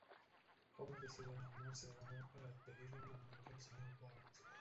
Homer decide armarse de valor para pedirle un aumento al Sr. Burns.